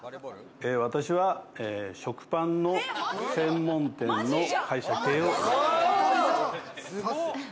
私は食パンの専門店の会社経営を。